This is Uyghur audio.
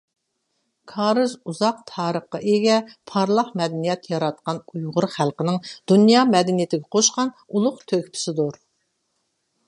كارىز ئۇزاق تارىخقا ئىگە، پارلاق مەدەنىيەت ياراتقان ئۇيغۇر خەلقىنىڭ دۇنيا مەدەنىيىتىگە قوشقان ئۇلۇغ تۆھپىسىدۇر.